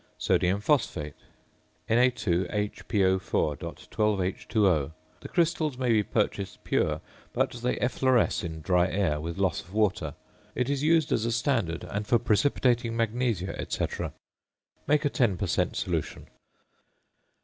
~Sodium Phosphate~, Na_HPO_.12H_O. The crystals may be purchased pure, but they effloresce in dry air with loss of water. It is used as a standard and for precipitating magnesia, &c. Make a 10 per cent. solution.